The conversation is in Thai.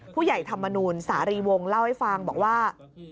ผู้ใหญ่ธรรมนุนสารีวงเล่าให้ฟังบอกว่า